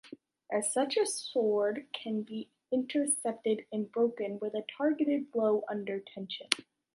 As such a sword can be intercepted and broken with a targeted blow under tension.